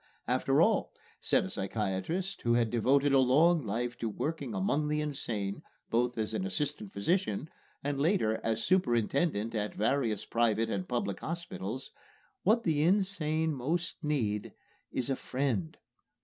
"After all," said a psychiatrist who had devoted a long life to work among the insane, both as an assistant physician and later as superintendent at various private and public hospitals, "what the insane most need is a friend!"